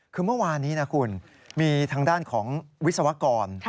คือเมื่อวานนี้นะคุณมีทางด้านของวิศวกร